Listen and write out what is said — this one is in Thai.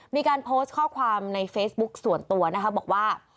มีการโพสต์ข้อความในเฟซบุ๊กส่วนตัวนะคะบอกว่า